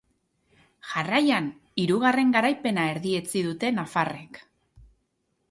Jarraian hirugarren garaipena erdietsi dute nafarrek.